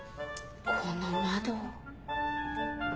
この窓。